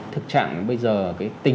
thực trạng bây giờ tình trạng